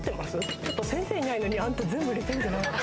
ちょっと先生いないのに、あんた、全部入れてんじゃないよ。